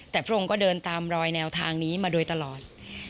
แต่พระองค์ก็เดินตามรอยแนวทางนี้มาโดยตลอด